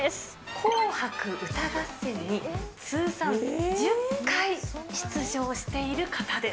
紅白歌合戦に通算１０回出場している方です。